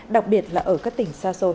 đặc biệt là ở các tỉnh xa xôi